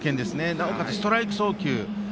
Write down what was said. なおかつ、ストライク送球。